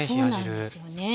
そうなんですよね。